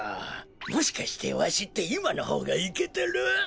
もしかしてわしっていまのほうがいけてる？